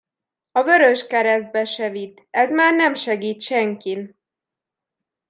A vöröskeresztbe se vidd, ez már nem segít senkin!